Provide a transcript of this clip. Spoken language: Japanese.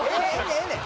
ええねん